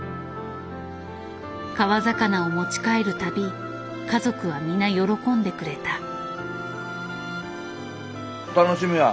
川魚を持ち帰るたび家族は皆喜んでくれた。